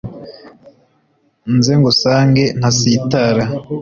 nze ngusange ntasitara